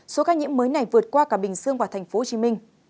số ca nhiễm mới này vượt qua cả bình dương và tp hcm